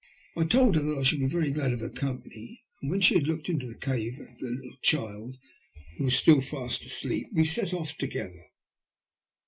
I told her that I should be very glad of her company, and when she had looked into the cave at the little child, who was still fast asleep, we set off together.